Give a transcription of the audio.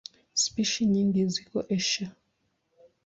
Spishi nyingi ziko Asia.